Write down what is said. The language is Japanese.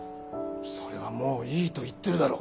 それはもういいと言ってるだろ。